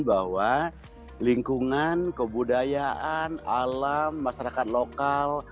bahwa lingkungan kebudayaan alam masyarakat lokal